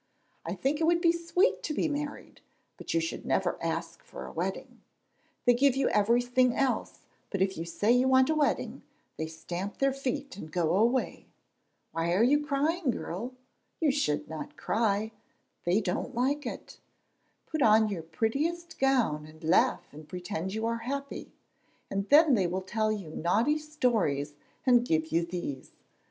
I think it would be sweet to be married, but you should never ask for a wedding. They give you everything else, but if you say you want a wedding, they stamp their feet and go away. Why are you crying, girl? You should not cry; they don't like it. Put on your prettiest gown and laugh and pretend you are happy, and then they will tell you naughty stories and give you these."